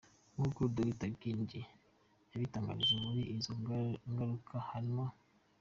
Nk’uko Dr Githinji, yabidutangarije muri izo ngaruka harimo :.